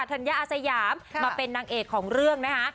ธัญญาอาสยามมาเป็นนางเอกของเรื่องนะคะ